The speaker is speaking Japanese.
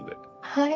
はい。